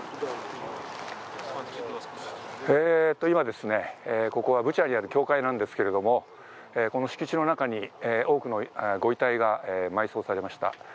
今、ここはブチャにある教会なんですけれども、この敷地の中に多くのご遺体が埋葬されました。